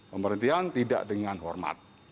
pemberhentian tidak dengan hormat